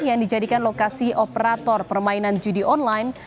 yang dijadikan lokasi operator permainan judi online